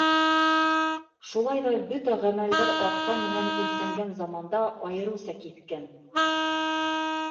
Шулай ҙа бөтә ғәмәлдәр аҡса менән үлсәнгән заманда айырыуса киҫкен.